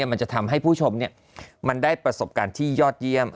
มันจะทำให้ผู้ชมมันได้ประสบการณ์ที่ยอดเยี่ยม